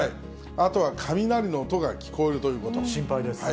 あとは雷の音が聞こえるとい心配です。